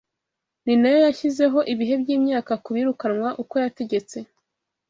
Ni na yo yashyizeho ibihe by’imyaka ko bikuranwa uko yategetse